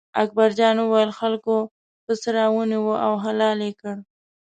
اکبر جان وویل: خلکو پسه را ونیوه او حلال یې کړ.